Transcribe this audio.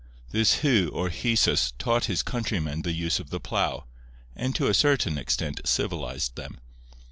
This Hu or Hesus taught his countrymen the use of the plough, and to a certain extent civilized them.